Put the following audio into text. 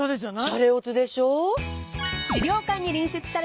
シャレオツでしょ？